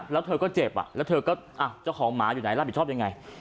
แล้วเธอก็เจ็บแล้วเธอก็เจ้าของหมาอยู่ไหนรับผิดชอบยังไง